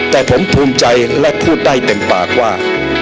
แต่ผมภูมิใจและพูดได้เต็มปากว่า